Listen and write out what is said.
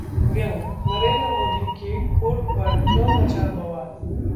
व्यंग्यः नरेंद्र मोदी के कोट पर क्यों मचा बवाल